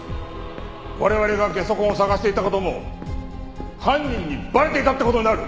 我々が下足痕を捜していた事も犯人にバレていたって事になる！